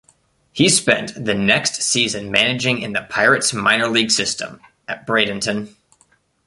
He spent the next season managing in the Pirates' minor league system at Bradenton.